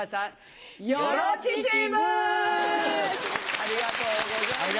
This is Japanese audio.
ありがとうございます。